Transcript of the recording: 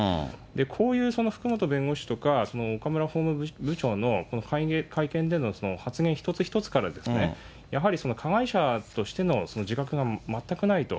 こういう福本弁護士とか、岡村法務部長の会見での発言一つ一つからですね、やはり加害者としての自覚が全くないと。